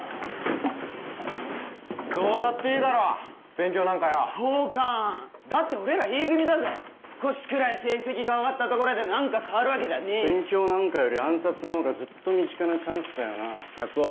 どうだっていいだろう勉強なんかよ同感だって俺らＥ組だぜ少しくらい成績が上がったところでなんか変わるわけじゃねえし勉強なんかより暗殺の方がずっと身近なチャンスだよな１００億